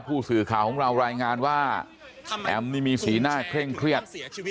ผู้สื่อข่าวของเรารายงานว่าแอมนี่มีสีหน้าเคร่งเครียด